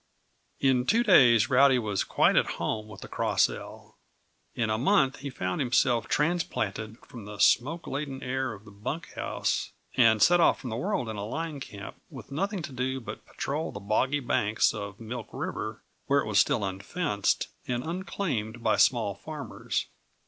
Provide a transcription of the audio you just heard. In two days Rowdy was quite at home with the Cross L. In a month he found himself transplanted from the smoke laden air of the bunk house, and set off from the world in a line camp, with nothing to do but patrol the boggy banks of Milk River, where it was still unfenced and unclaimed by small farmers.